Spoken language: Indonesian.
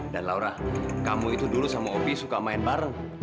dan laura kamu itu dulu sama opi suka main bareng